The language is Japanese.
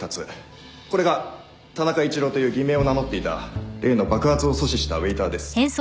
これが田中一郎という偽名を名乗っていた例の爆発を阻止したウエーターです。